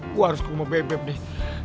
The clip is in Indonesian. gue harus ke rumah bebet nih